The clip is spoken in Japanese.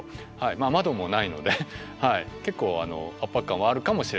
窓もないので結構圧迫感はあるかもしれないですね。